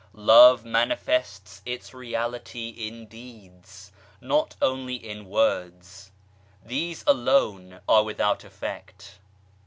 Love manifests its reality in deeds, not only in ,words these alone are without effect.